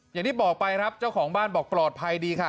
อย่างที่บอกไปครับเจ้าของบ้านบอกปลอดภัยดีค่ะ